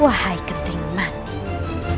wahai ketrim mani